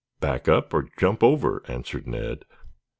"Back up or jump over," answered Ned.